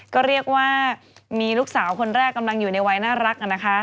ก็เรียกว่ามีลูกสาวคนแรกกำลังอยู่ในวัยน่ารักนะคะ